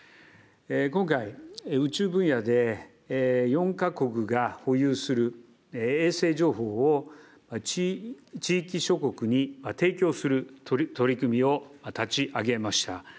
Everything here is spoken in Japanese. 今回、宇宙分野で、４か国が保有する衛星情報を、地域諸国に提供する取り組みを立ち上げました。